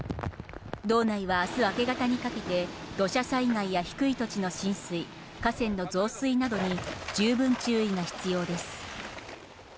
道内はあす明け方にかけて土砂災害や低い土地の浸水、河川の増水などに十分注意が必要です。